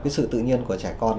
sự tự nhiên của trẻ con